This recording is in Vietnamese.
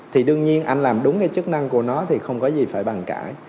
thì đương nhiên anh làm đúng cái chức năng của nó thì không có gì phải bằng cả